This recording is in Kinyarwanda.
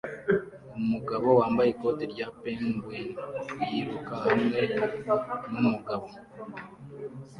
Umugabo wambaye ikoti rya penguin yiruka hamwe numugabo